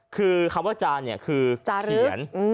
คือคำว่าจานเนี่ยคือเขียน